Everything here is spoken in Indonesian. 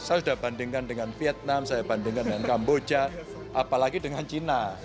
saya sudah bandingkan dengan vietnam saya bandingkan dengan kamboja apalagi dengan cina